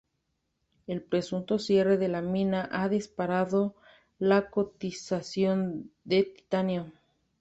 El presunto cierre de la mina ha disparado la cotización de titanio.